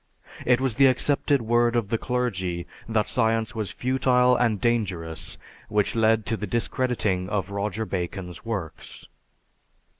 It was the accepted word of the clergy that science was futile and dangerous which led to the discrediting of Roger Bacon's works.